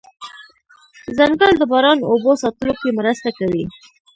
ځنګل د باران اوبو ساتلو کې مرسته کوي